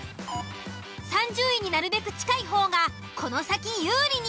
３０位になるべく近い方がこの先有利に。